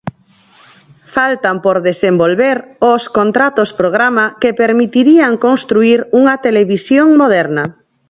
Faltan por desenvolver os contratos-programa, que permitirían construír unha televisión moderna.